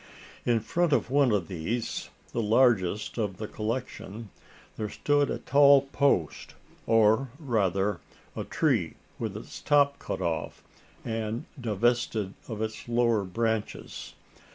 In front of one of these the largest of the collection there stood a tall post; or rather a tree with its top cut off, and divested of its lower branches.